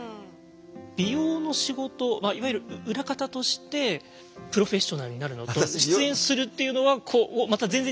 美容の仕事はいわゆる裏方としてプロフェッショナルになるのと出演するっていうのはこうまた全然違う？